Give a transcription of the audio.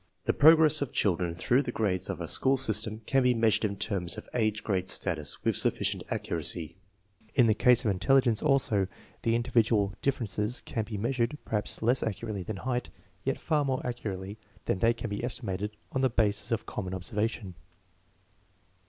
The progress of children through the grades of a school system can be measured in terms of age grade status with sufficient accuracy. In the case INDIVIDUAL DIFFERENCES 21 of intelligence, also, the individual differences can be measured; perhaps less accurately than height, yet far more accurately than they can be estimated on the basis of common observation.